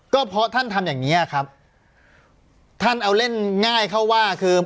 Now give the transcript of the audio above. ก็เพราะท่านทำอย่างเงี้ยครับท่านเอาเล่นง่ายเข้าว่าคือ